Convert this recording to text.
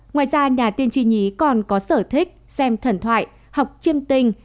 ngoài ra nhà tiên tri nhí còn có sở thích xem thần thoại học chiêm tình